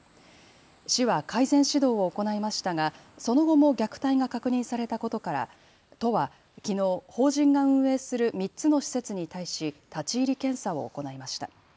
市は改善指導を行いましたがその後も虐待が確認されたことから都はきのう法人が運営する３つの施設に対し立ち入り検査を行いました。